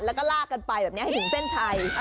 แล้วก็ลากกันไปแบบนี้ให้ถึงเส้นชัย